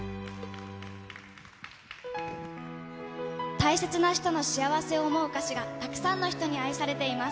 大切な人の幸せを思う歌詞がたくさんの人に愛されています。